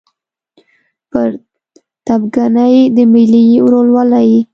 پر تربګنۍ د ملي ورورولۍ